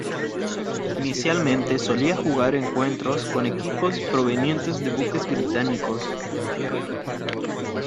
Inicialmente solía jugar encuentros con equipos provenientes de buques británicos.